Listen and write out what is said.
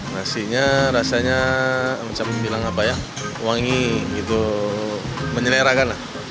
nasi uduknya rasanya wangi menyerahkan